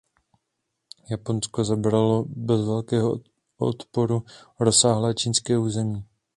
Japonsko zabralo bez velkého odporu rozsáhlé čínské území.